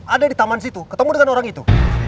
ada di taman situ ketemu dengan orang itu